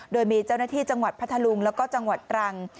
โดยมีเจ้าหน้าที่จังหวัดพัทธลุงแล้วก็จังหวัดตรัง